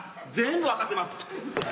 全部分かってます。